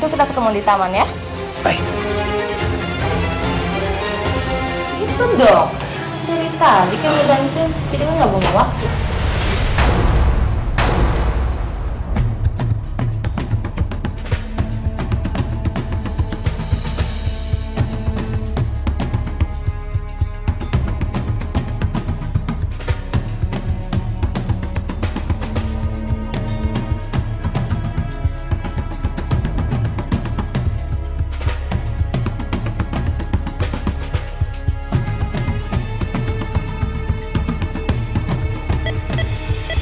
kalau gitu kita ketemu di taman ya